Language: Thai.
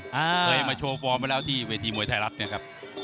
เคยมาโชว์ฟอร์มไปแล้วที่เวทีมวยไทยรัฐ